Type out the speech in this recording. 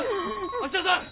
芦田さん！